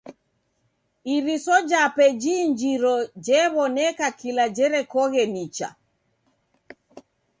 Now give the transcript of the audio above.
Iriso jape jiinjiro jew'oneka kila jerekoghe nicha.